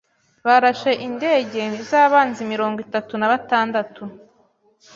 Barashe indege z'abanzi mirongo itatu na batandatu. )